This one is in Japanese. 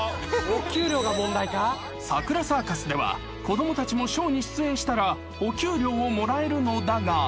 ［さくらサーカスでは子供たちもショーに出演したらお給料をもらえるのだが］